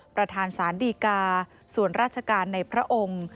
ประธานสารดีกาส่วนราชการในพระองค์